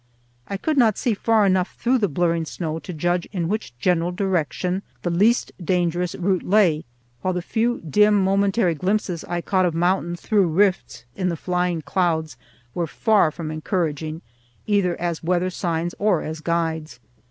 I could not see far enough through the blurring snow to judge in which general direction the least dangerous route lay, while the few dim, momentary glimpses I caught of mountains through rifts in the flying clouds were far from encouraging either as weather signs or as guides.